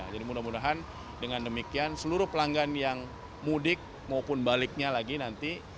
jadi mudah mudahan dengan demikian seluruh pelanggan yang modik maupun baliknya lagi nanti